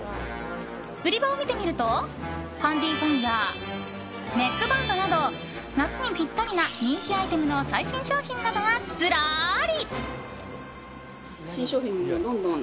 売り場を見てみるとハンディーファンやネックバンドなど夏にぴったりな人気アイテムの最新商品などがずらり。